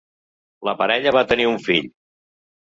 La parella va tenir un fill.